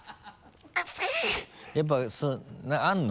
やっぱあるの？